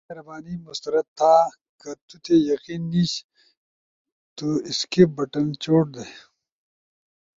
برائے مہربانی مسترد تھا۔ کہ تو تی یقین نیِش تو سکیپ بٹن چوٹ دے۔